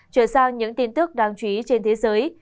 chuyển sang những tin tức đáng chú ý trên thế giới